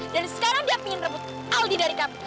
dan sekarang dia pingin rebut aldi dari kamu